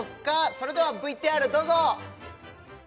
それではＶＴＲどうぞ！